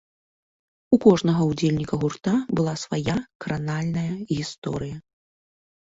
У кожнага ўдзельніка гурта была свая кранальная гісторыя.